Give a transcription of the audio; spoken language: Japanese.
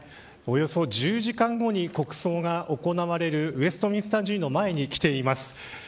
およそ１０時間後に国葬が行われるウェストミンスター寺院の前に来ています。